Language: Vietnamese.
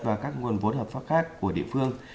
và các nguồn vốn hợp pháp khác của địa phương